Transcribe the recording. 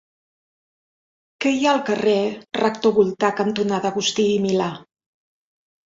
Què hi ha al carrer Rector Voltà cantonada Agustí i Milà?